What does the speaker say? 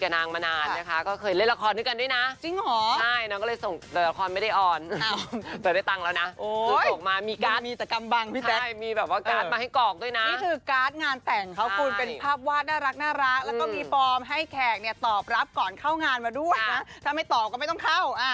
น่ารักแล้วก็มีปลอมให้แขกตอบรับก่อนเข้างานมาด้วยถ้าไม่ตอบก็ไม่ต้องเข้า